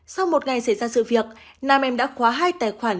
sau một ngày xảy ra sự việc nam em đã khóa hai tài khoản